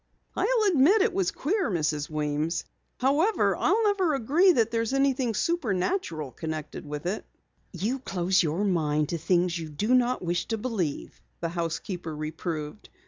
"I'll admit it was queer, Mrs. Weems. However, I'll never agree that there's anything supernatural connected with it." "You close your mind to things you do not wish to believe," the housekeeper reproved.